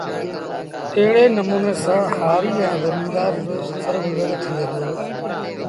ايڙي نموٚني سآݩ هآريٚ ائيٚݩ زميݩدآر روسڦر گزر ٿئي دو